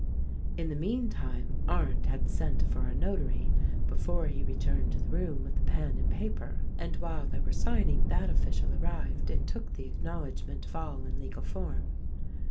In the meantime Arndt had sent for a Notary before he returned to the room with the pen and paper, and while they were signing that official arrived and took the acknowledg ment of all in legal form.